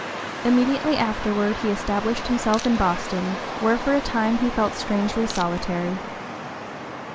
Immediately afterward he established himself in Boston, where for a time he felt strangely solitary.